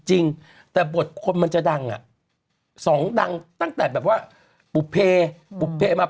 จริงแต่บทคนมันจะดังอ่ะสองดังตั้งแต่แบบว่าบุเพบุเพมา